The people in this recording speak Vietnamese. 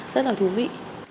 rất là thú vị